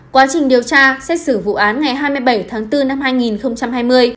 quá trình điều tra xét xử vụ án ngày hai mươi bảy tháng bốn năm hai nghìn hai mươi